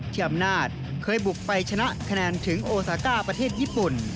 อำนาจเคยบุกไปชนะคะแนนถึงโอซาก้าประเทศญี่ปุ่น